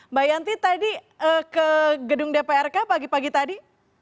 mbak yanti tadi ke gedung dprk pagi pagi tadi